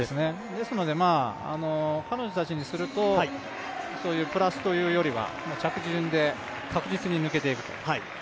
ですので彼女たちにすると、そういうプラスというよりは着順で確実に抜けていくと。